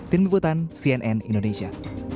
tim pembutan cnn indonesia